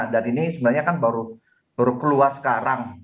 dan ini sebenarnya kan baru keluar sekarang